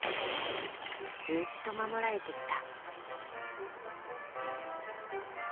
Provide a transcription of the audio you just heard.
ずっと守られてきた。